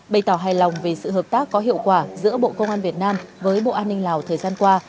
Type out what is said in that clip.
bày tỏ hài lòng về sự hợp tác có hiệu quả giữa bộ công an việt nam với bộ an ninh lào thời gian qua